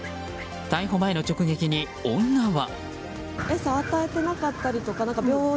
逮捕前の直撃に女は。